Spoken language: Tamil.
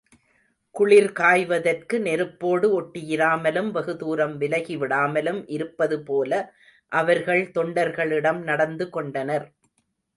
குளிர்காய்வதற்கு, நெருப்போடு ஒட்டியிராமலும் வெகுதுரம் விலகிவிடாமலும் இருப்பது போல, அவர்கள் தொண்டர்களிடம் நடந்து கொண்டனர்.